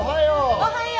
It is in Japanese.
おはよう。